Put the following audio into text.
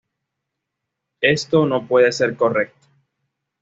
Esto no puede ser correcto".